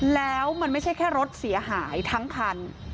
แล้วมันไม่ใช่รถเสียหายทั้งครรภ์